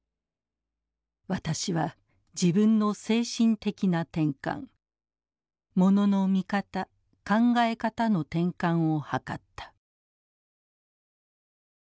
「私は自分の精神的な転換モノの見方考え方の転換をはかった」。